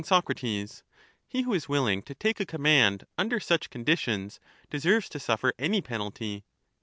Soc, He who is willing to take a command under such conditions, deserves to suffer any penalty.